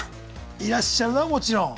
いらっしゃるのはもちろん。